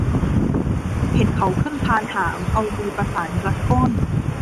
เห็นเขาขึ้นคานหาม เอามือประสานรัดก้น